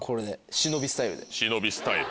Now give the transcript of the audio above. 忍びスタイル。